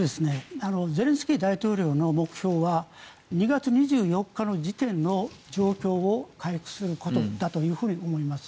ゼレンスキー大統領の目標は２月２４日の時点の状況を回復することだと思います。